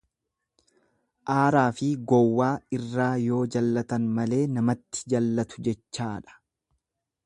Aaraafi gowwaa irraa yoo jallatan malee namatti jallatu jechaadha.